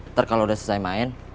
ntar kalau udah selesai main